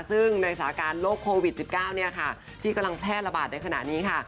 ซึ่งในสถาการณ์โลกโควิดจิบเก้าเนี้ยค่ะที่กำลังแพร่ระบาดในขณะนี้ค่ะ